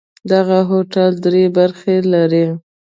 دغه هوټل درې برخې لري.